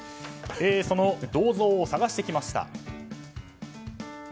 その銅像を探してきました。